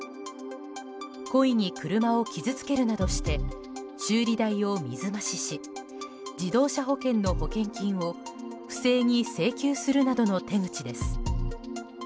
故意に車を傷つけるなどして修理代を水増しし自動車保険の保険金を不正に請求するなどの手口です。